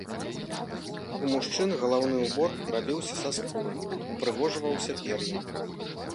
У мужчын галаўны ўбор рабіўся са скуры, упрыгожваўся пер'ем.